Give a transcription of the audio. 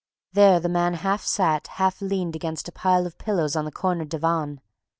There the man half sat, half leaned against a pile of pillows on the corner divan.